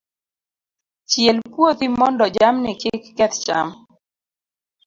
Chiel puothi mondo jamni kik keth cham.